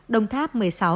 đồng tháp một mươi sáu